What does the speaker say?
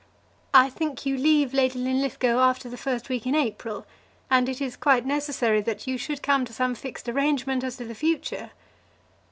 I think you leave Lady Linlithgow after the first week in April, and it is quite necessary that you should come to some fixed arrangement as to the future.